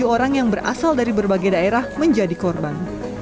empat ratus empat puluh tujuh orang yang berasal dari berbagai daerah menjadi korban